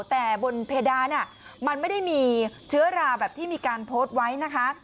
แต่บนเพดานมันไม่ได้มีเชื้อราแบบที่มีการโพสต์ไว้นะคะ